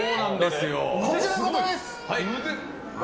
こちらの方です！